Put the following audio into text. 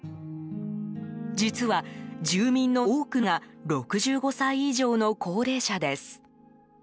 実は住民の多くが６５歳以上の高齢者です。